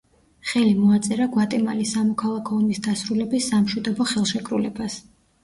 ხელი მოაწერა გვატემალის სამოქალაქო ომის დასრულების სამშვიდობო ხელშეკრულებას.